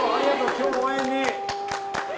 今日応援に。